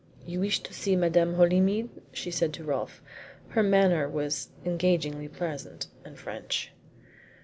"You wish to see Madame Holymead?" she said to Rolfe. Her manner was engagingly pleasant and French.